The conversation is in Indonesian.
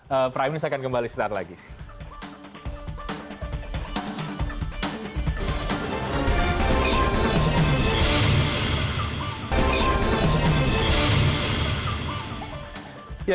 pak prime minister akan kembali setelah lagi